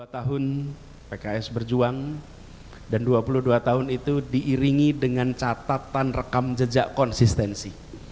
dua tahun pks berjuang dan dua puluh dua tahun itu diiringi dengan catatan rekam jejak konsistensi